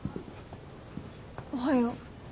おはよう。